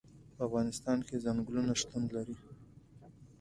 په افغانستان کې چنګلونه شتون لري.